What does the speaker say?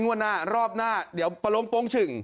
งวดหน้ารอบหน้าเดี๋ยวปลงโป้งฉึ่ง